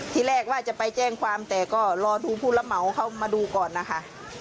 ที่แรกว่าจะไปแจ้งความแต่ก็รอดูผู้รับเหมาเข้ามาดูก่อนนะคะ